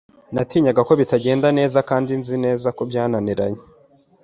Natinyaga ko bitagenda neza kandi nzi neza ko byananiranye.